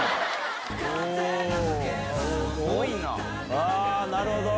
あぁなるほど！